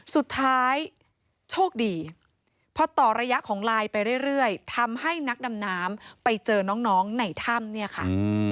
สุดท้ายโชคดีพอต่อระยะของลายไปเรื่อยทำให้นักดำน้ำไปเจอน้องในถ้ำเนี่ยค่ะ